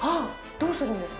どうするんですか。